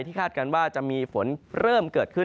คาดการณ์ว่าจะมีฝนเริ่มเกิดขึ้น